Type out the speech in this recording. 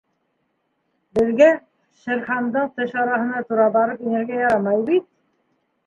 Беҙгә Шер Хандың теш араһына тура барып инергә ярамай бит.